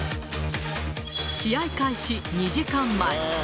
試合開始２時間前。